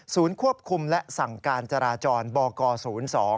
ศูนย์ควบคุมและสั่งการจราจรบกศูนย์๒